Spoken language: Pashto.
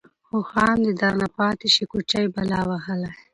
اوښـان دې درنه پاتې شي كوچـۍ بلا وهلې.